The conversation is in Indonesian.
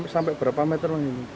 sampai berapa meter